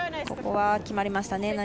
ここは決まりましたね。